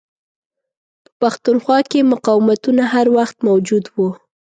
په پښتونخوا کې مقاوتونه هر وخت موجود وه.